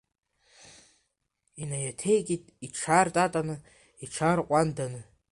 Инаиаҭеикит иҽаартатаны, иҽаарҟәанданы.